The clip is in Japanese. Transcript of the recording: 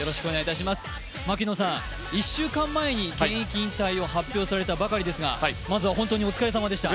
１週間前に現役引退を発表されたばかりですが、まずは本当にお疲れさまでした。